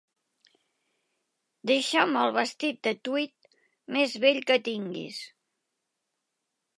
Deixa'm el vestit de tweed més vell que tinguis.